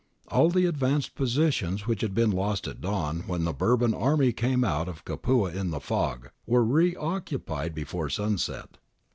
All the advanced positions which had been lost at dawn when the Bourbon army came out of Capua in the fog, were re occupied before sunset.